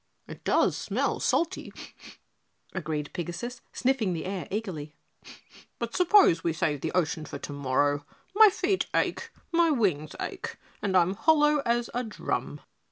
"It does smell salty," agreed Pigasus, sniffing the air eagerly, "but suppose we save the ocean for tomorrow, my feet ache, my wings ache, and I'm hollow as a drum."